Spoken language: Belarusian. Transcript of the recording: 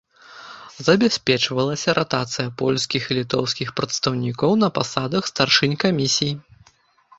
Забяспечвалася ратацыя польскіх і літоўскіх прадстаўнікоў на пасадах старшынь камісій.